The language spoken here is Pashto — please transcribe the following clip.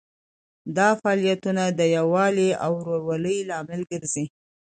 دا فعالیتونه د یووالي او ورورولۍ لامل ګرځي.